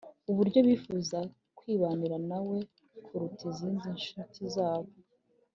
Uburyo bifuza kwibanira na we kuruta izindi nshuti zabo